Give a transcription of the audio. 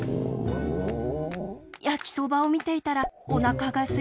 やきそばをみていたらおなかがすいてきました。